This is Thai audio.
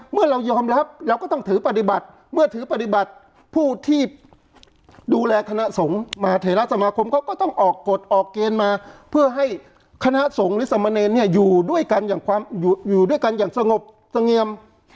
เมื่อเรายอมรับเราก็ต้องถือปฏิบัติเมื่อถือปฏิบัติผู้ที่ดูแลคณะสงฆ์มหาเทราสมาคมเขาก็ต้องออกกฎออกเกณฑ์มาเพื่อให้คณะสงฆ์หรือสมเนรเนี่ยอยู่ด้วยกันอย่างอยู่ด้วยกันอย่างสงบเสงียม